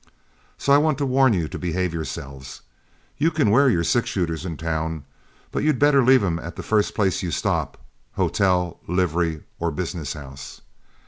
So I want to warn you to behave yourselves. You can wear your six shooters into town, but you'd better leave them at the first place you stop, hotel, livery, or business house.